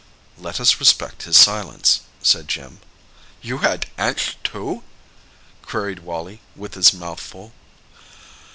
"Let us respect his silence," said Jim. "You had aunts too?" queried Wally, with his mouth full.